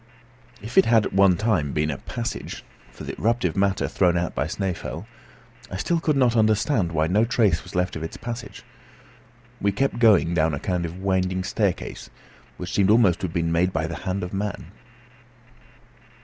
If it had at one time been a passage for eruptive matter thrown out by Snæfell, I still could not understand why no trace was left of its passage. We kept going down a kind of winding staircase, which seemed almost to have been made by the hand of man.